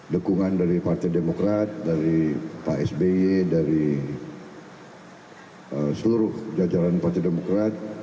dukungan dari partai demokrat dari pak sby dari seluruh jajaran partai demokrat